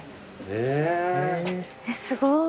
えっすごい。